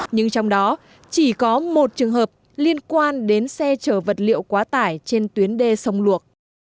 nhưng trong đó chỉ có một trường hợp liên quan đến xe chở vật liệu quá tải trên tuyến đê sông luộc